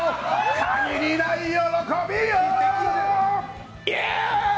限りない喜びよ！